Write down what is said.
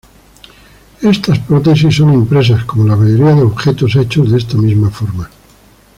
Estas prótesis son impresas como la mayoría de objetos hechos de esta misma forma.